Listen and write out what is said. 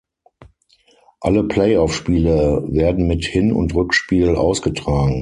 Alle Playoff-Spiele werden mit Hin- und Rückspiel ausgetragen.